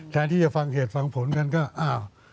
แทนที่จะฟังเหตุฟังผลกันก็อ้าว